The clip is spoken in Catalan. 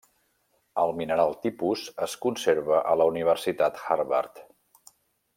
El mineral tipus es conserva a la Universitat Harvard.